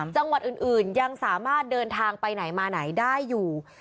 จังหวัดอื่นยังสามารถเดินทางไปไหนมาไหนได้อยู่